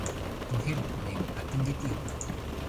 Do helpu nin atingi tion